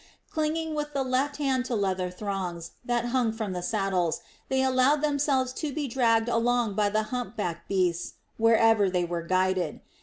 Clinging with the left hand to leather thongs that hung from the saddles, they allowed themselves to be dragged along by the hump backed beasts wherever they were guided.